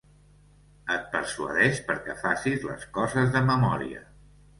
Et persuadeix perquè facis les coses de memòria.